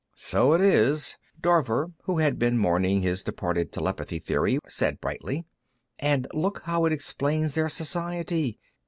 "So it is," Dorver, who had been mourning his departed telepathy theory, said brightly. "And look how it explains their society.